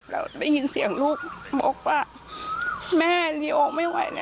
แล้วได้ยินเสียงลูกบอกว่าแม่ลีออกไม่ไหวนะ